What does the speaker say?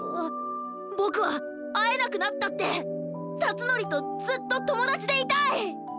ボクはあえなくなったってたつのりとずっとともだちでいたい！